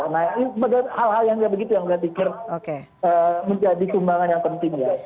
nah hal hal yang nggak begitu yang saya pikir menjadi kembangan yang penting ya